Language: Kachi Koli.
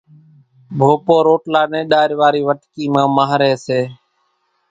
ڀوپو روٽلا نين ڏار واري وٽڪي مان مانھري سي